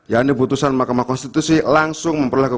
yang ini putusan makamah konstitusi langsung memperlakukan